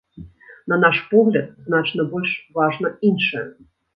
На наш погляд, значна больш важна іншае.